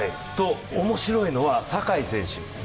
面白いのは、坂井選手